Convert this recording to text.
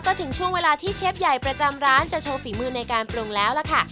ก็ถึงช่วงเวลาที่เชฟใหญ่ประจำร้านจะโชว์ฝีมือในการปรุงแล้วล่ะค่ะ